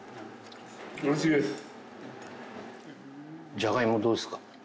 じゃがいもどうですか？